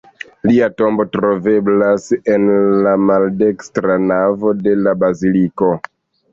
Lia tombo troveblas en la maldekstra navo de la baziliko.